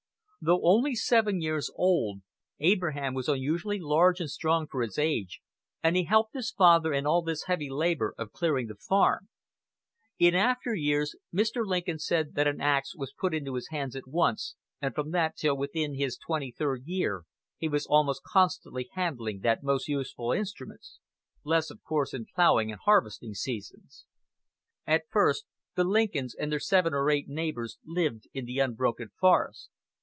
Though only seven years old, Abraham was unusually large and strong for his age, and he helped his father in all this heavy labor of clearing the farm. In after years, Mr. Lincoln said that an ax "was put into his hands at once, and from that till within his twenty third year he was almost constantly handling that most useful instrument less, of course, in ploughing and harvesting seasons." At first the Lincolns and their seven or eight neighbors lived in the unbroken forest.